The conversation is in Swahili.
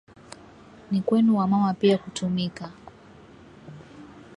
Ni kwenu wa mama pia kutumika